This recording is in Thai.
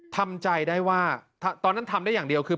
ทำใจได้ว่าตอนนั้นทำได้อย่างเดียวคือ